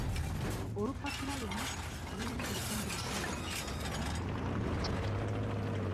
Olupapula luno lulimu ebitundu bisatu A B ne C.